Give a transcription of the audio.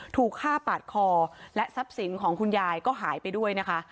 ถูกฆ่าปาดคอและทรัพย์สินของคุณยายก็หายไปด้วยนะคะ